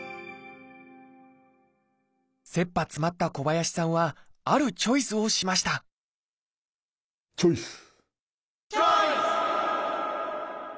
せっぱ詰まった小林さんはあるチョイスをしましたチョイス！